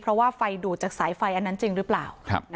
เพราะว่าไฟดูดจากสายไฟอันนั้นจริงหรือเปล่า